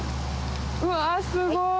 うわすごい。